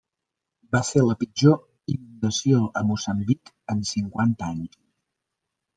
Va ser la pitjor inundació a Moçambic en cinquanta anys.